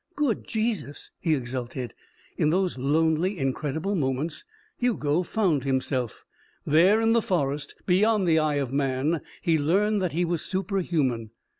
"Good Jesus!" he exulted. In those lonely, incredible moments Hugo found himself. There in the forest, beyond the eye of man, he learned that he was superhuman.